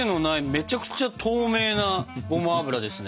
めちゃくちゃ透明なごま油ですね。